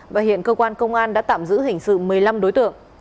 và hiện cơ quan công an đã tạm giữ hình sự một mươi năm đối tượng